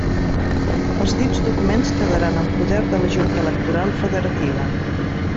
Els dits documents quedaran en poder de la junta electoral federativa.